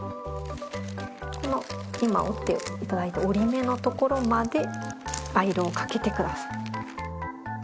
この今折っていただいた折り目のところまでアイロンをかけてください。